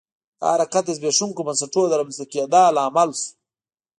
دا حرکت د زبېښونکو بنسټونو د رامنځته کېدا لامل شو.